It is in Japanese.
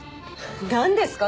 なんですか？